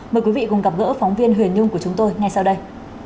mời quý vị cùng gặp gỡ phóng viên huyền nhung của chúng tôi ngay sau đây